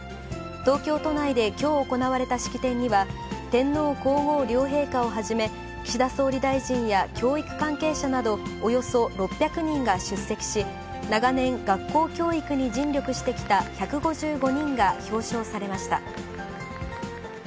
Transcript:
東京都内できょう行われた式典には、天皇皇后両陛下をはじめ、岸田総理大臣や教育関係者など、およそ６００人が出席し、長年、学校教育に尽力してきた１５５人が表彰されました。